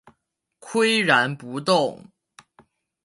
岿然不动